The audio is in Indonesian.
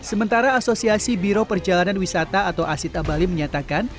sementara asosiasi biro perjalanan wisata atau asita bali menyatakan